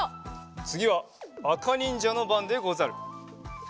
つぎはあかにんじゃのばんでござる。